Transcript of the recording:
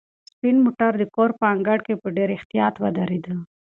سپین موټر د کور په انګړ کې په ډېر احتیاط ودرېد.